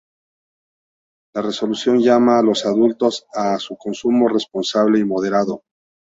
La resolución llama a los adultos a su consumo responsable y moderado.